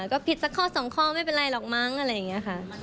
ก็ผิดสักข้อสองข้อไม่เป็นไรหรอกมั้งอะไรอย่างนี้ค่ะ